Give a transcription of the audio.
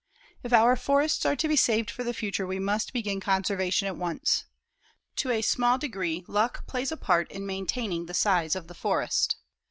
If our forests are to be saved for the future we must begin conservation at once. To a small degree, luck plays a part in maintaining the size of the forest.